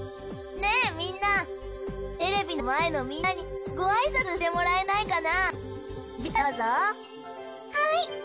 ねえみんなテレビの前のみんなにごあいさつしてもらえないかな？